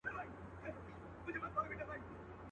پېژندل یې کورنیو له عمرونو.